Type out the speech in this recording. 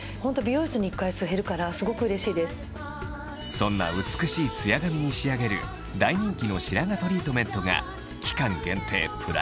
そんな美しいツヤ髪に仕上げる大人気の白髪トリートメントがさらに